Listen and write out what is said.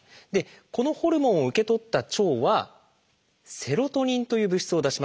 このホルモンを受け取った腸は「セロトニン」という物質を出します。